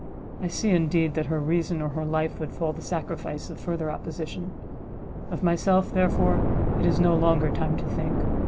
I see, indeed, that her reason or her life would fall the sacrifice of further opposition: of myself, therefore, it is no longer time to think.